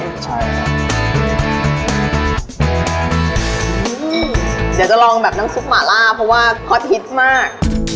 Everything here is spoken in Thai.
เดี๋ยวจะลองแบบน้ำซุปหมาล่าเพราะว่าฮอตฮิตมาก